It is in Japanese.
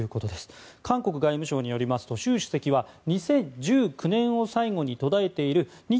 韓国外務省によりますと習主席は２０１９年を最後に途絶えている日